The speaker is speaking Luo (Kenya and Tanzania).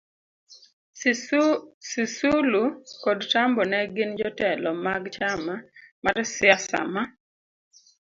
SisulukodTambo ne ginjotelo magchama marsiasama